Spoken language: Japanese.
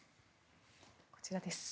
こちらです。